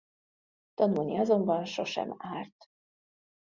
Tanulni azonban sosem árt.